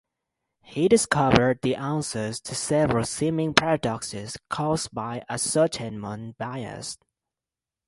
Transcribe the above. He discovered the answer to several seeming paradoxes caused by ascertainment bias.